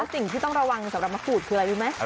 สิ่งที่ต้องระวังสำหรับมะขูดคืออะไรรู้ไหม